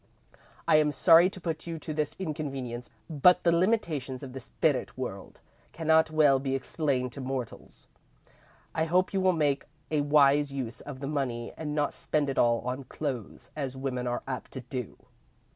"I am sorry to put you to this inconvenience, but the limitations of the spirit world cannot well be explained to mortals. I hope you will make a wise use of the money and not spend it all on clothes, as women are apt to do.